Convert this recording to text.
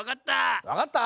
わかった。